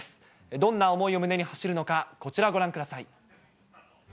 どんな想いを胸に走るのか、こちらご覧ください。